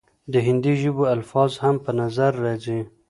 د هندي ژبو الفاظ هم پۀ نظر راځي،